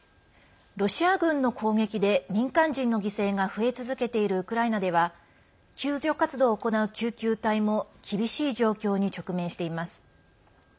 ロシア軍の攻撃で民間人の犠牲が増え続けているウクライナでは救助活動を行う救急隊も厳しい状態に直面しています。